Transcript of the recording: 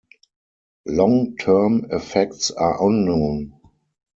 Long-term effects are unknown.